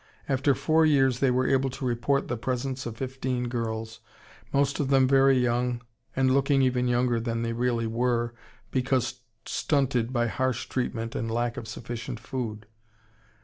After four years they were able to report the presence of fifteen girls, most of them very young and looking even younger than they really were because stunted by harsh treatment and lack of sufficient food.